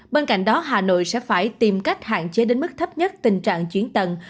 bên cạnh đó hà nội sẽ phải tìm cách hạn chế đến mức thấp nhất tình trạng chuyến tầng